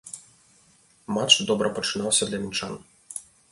Матч добра пачынаўся для мінчан.